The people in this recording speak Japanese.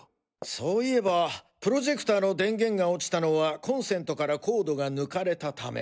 そういえばプロジェクターの電源が落ちたのはコンセントからコードが抜かれた為。